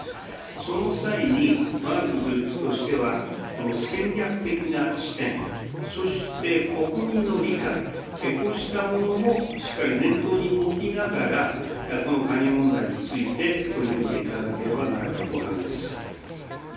その際にわが国としては、戦略的な視点、そして国民の理解、こうしたものもしっかり念頭に置きながら、この加入問題について取り組んでいかなければならないと考えます。